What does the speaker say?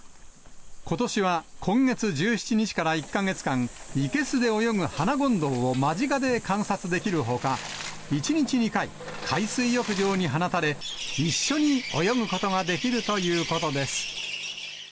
ことしは今月１７日から１か月間、生けすで泳ぐハナゴンドウを間近で観察できるほか、１日２回、海水浴場に放たれ、一緒に泳ぐことができるということです。